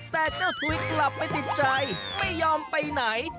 แต่เจ้าถุยกลับไปติดใจไม่ยอมไปไหน